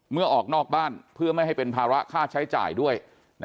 ออกนอกบ้านเพื่อไม่ให้เป็นภาระค่าใช้จ่ายด้วย